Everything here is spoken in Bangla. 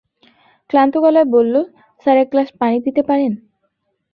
ক্লান্ত গলায় বলল, স্যার, এক গ্লাস পানি দিতে পারেন?